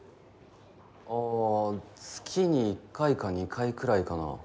ああ月に１回か２回くらいかな。